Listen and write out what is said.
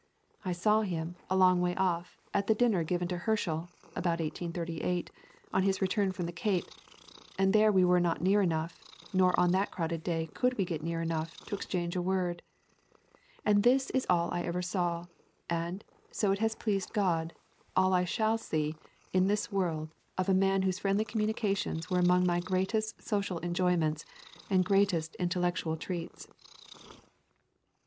I saw him, a long way off, at the dinner given to Herschel (about 1838) on his return from the Cape and there we were not near enough, nor on that crowded day could we get near enough, to exchange a word. And this is all I ever saw, and, so it has pleased God, all I shall see in this world of a man whose friendly communications were among my greatest social enjoyments, and greatest intellectual treats."